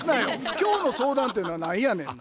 今日の相談ってのは何やねんな？